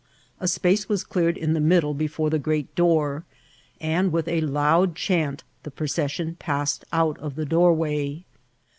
A space was cleared in the middle before the great doOT, and with a load chant the iwocessicm passed oat of the doorwaj.